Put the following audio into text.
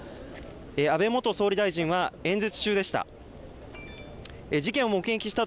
安倍元総理大臣は演説中でした。